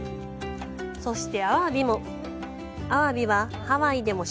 そして、アワビも！